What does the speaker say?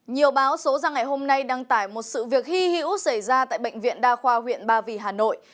nhiều báo số ra ngày hôm nay đăng tải một sự việc hy hữu xảy ra tại bệnh viện đa khoa huyện ba vì hà nội